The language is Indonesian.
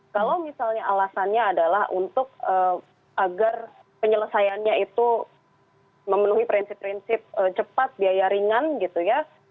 kalau misalnya alasannya adalah untuk agar penyelesaiannya itu memenuhi prinsip prinsip cepat biaya ringan gitu ya